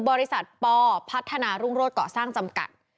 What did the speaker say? บริษัทปพัฒนารุ่งโรศก่อสร้างจำกัด